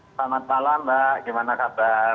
selamat malam mbak gimana kabar